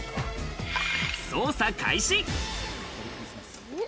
捜査開始！